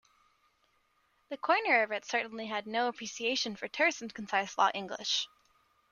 The coiner of it certainly had no appreciation for terse and concise law English.